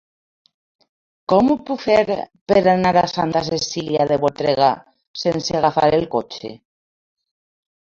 Com ho puc fer per anar a Santa Cecília de Voltregà sense agafar el cotxe?